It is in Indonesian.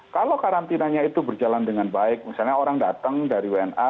kalau karantinanya itu berjalan dengan baik misalnya orang datang dari wna